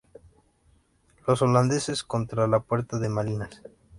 Los holandeses contra la puerta de Malinas.